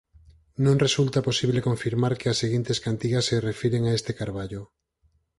Non resulta posible confirmar que as seguintes cantigas se refiren a este carballo.